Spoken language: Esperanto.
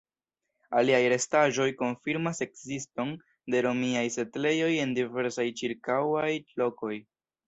Aliaj restaĵoj konfirmas ekziston de romiaj setlejoj en diversaj ĉirkaŭaj lokoj.